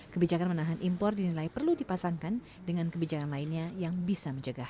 kebijakan menahan impor dinilai perlu dipasangkan dengan kebijakan lainnya yang bisa menjaga harga